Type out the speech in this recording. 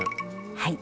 はい。